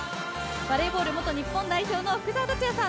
バレーボール元日本代表の福澤達哉さん